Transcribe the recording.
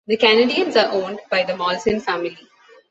The Canadiens are owned by the Molson Family.